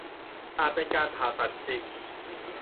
อาจเป็นการผ่าตัดจริง